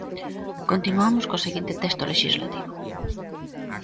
Continuamos co seguinte texto lexislativo.